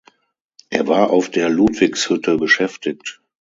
Er war auf der Ludwigshütte beschäftigt.